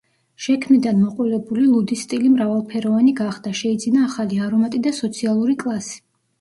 შექმნიდან მოყოლებული, ლუდის სტილი მრავალფეროვანი გახდა, შეიძინა ახალი არომატი და სოციალური კლასი.